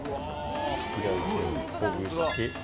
平打ち麺をほぐして。